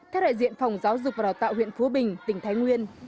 theo đại diện phòng giáo dục và đào tạo huyện phú bình tỉnh thái nguyên